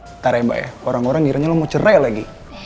bentar ya mbak ya orang orang ngiranya lo mau cerai lagi